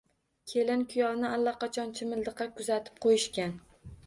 Kelin-kuyovni allaqachon chimildiqqa kuzatib qoʻyishgan